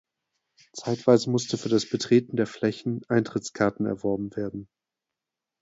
Zeitweise musste für das Betreten der Flächen Eintrittskarten erworben werden.